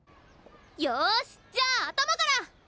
よしじゃあ頭から！